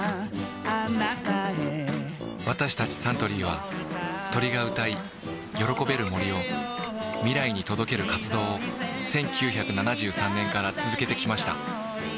私たちサントリーは鳥が歌い喜べる森を未来に届ける活動を１９７３年から続けてきました